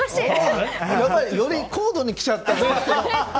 より高度に来ちゃった。